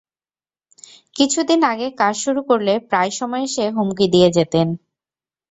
কিছুদিন আগে কাজ শুরু করলে প্রায় সময় এসে হুমকি দিয়ে যেতেন।